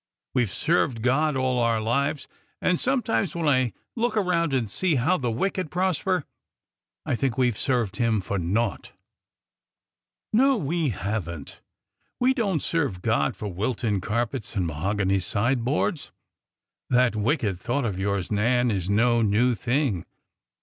We've served God all our lives; and sometimes, when I look around and see how the wicked prosper, I think we 've served Him for naught !" THE PERFECT LOVE 261 No, we have n't ! We don't serve God for Wilton carpets and mahogany sideboards. ... That wicked thought of yours, Nan, is no new thing.